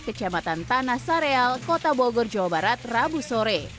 kecamatan tanah sareal kota bogor jawa barat rabu sore